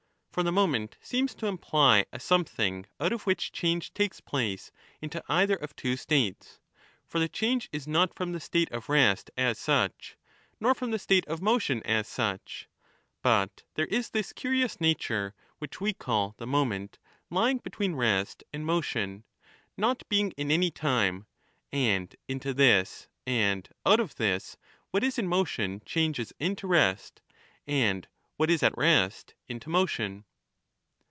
For the moment seems to imply a some thing out of which change takes place into either of two states ; for the change is not from the state of rest as such, nor from the state of motion as such ; but there is this curious nature which we call the moment lying between rest and motion, not being in any time ; and into this and out of this what is in motion changes into rest, and what is at rest into motion.